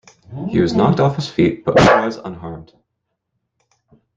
He was knocked off his feet, but otherwise unharmed.